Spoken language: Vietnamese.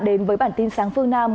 đến với bản tin sáng phương nam